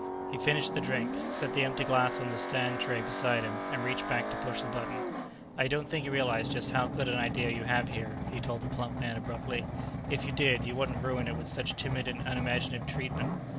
He finished the drink, set the empty glass on the stand tray beside him, and reached back to push the button. "I don't think you realize just how good an idea you have, here," he told the plump man abruptly. "If you did, you wouldn't ruin it with such timid and unimaginative treatment."